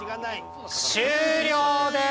終了です！